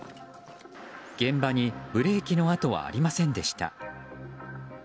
現場にブレーキの跡はありませんでした。